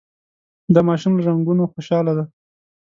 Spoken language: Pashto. دا ماشوم له رنګونو خوشحاله دی.